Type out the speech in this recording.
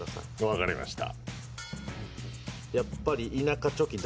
分かりました。